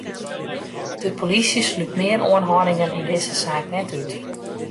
De polysje slút mear oanhâldingen yn dizze saak net út.